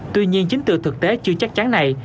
tuy nhiên chính từ thực tế chưa chắc chắn này